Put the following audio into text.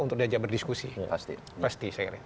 untuk diajak berdiskusi pasti saya kira